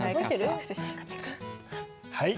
はい。